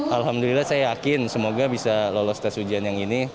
alhamdulillah saya yakin semoga bisa lolos tes ujian yang ini